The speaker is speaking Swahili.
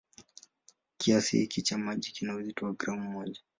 Kiasi hiki cha maji kina uzito wa gramu moja.